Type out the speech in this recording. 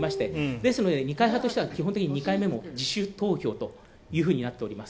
ですので、二階派としては２回目も自主投票というふうになっております。